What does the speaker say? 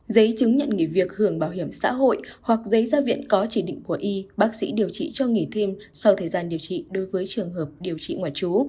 giấy chứng nhận nghỉ việc hưởng bảo hiểm xã hội hoặc giấy gia viện có chỉ định của y bác sĩ điều trị cho nghỉ thêm sau thời gian điều trị đối với trường hợp điều trị ngoại trú